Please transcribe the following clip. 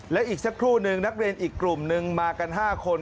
และอีกสักครู่นึงนักเรียนอีกกลุ่มนึงมากัน๕คน